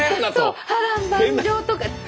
そう波乱万丈とか。